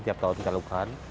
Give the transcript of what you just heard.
setiap tahun kita lakukan